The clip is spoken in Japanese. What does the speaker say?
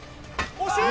惜しい！